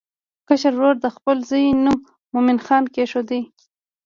کشر ورور د خپل زوی نوم مومن خان کېښود.